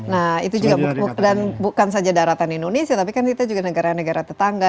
nah itu juga dan bukan saja daratan indonesia tapi kan kita juga negara negara tetangga